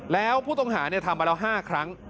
แล้วผู้ต้องหาทำมาแล้ว๕ครั้ง